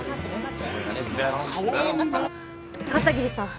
片桐さん